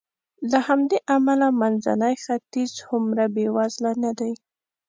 له همدې امله منځنی ختیځ هومره بېوزله نه دی.